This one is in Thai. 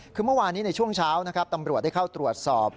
คือเมื่อวานนี้ในช่วงเช้านะครับตำรวจได้เข้าตรวจสอบ